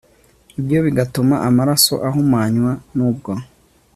ibyo bigatuma amaraso ahumanywa nubwo